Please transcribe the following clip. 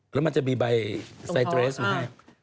แล้วมันจะมีใบไซเตรสอยู่ให้